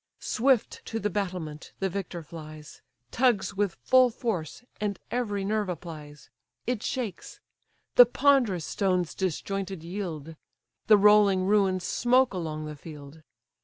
Swift to the battlement the victor flies, Tugs with full force, and every nerve applies: It shakes; the ponderous stones disjointed yield; The rolling ruins smoke along the field.